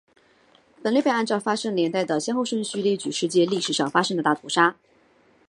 本列表按照发生年代的先后顺序列举世界历史上发生的大屠杀。